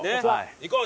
行こう！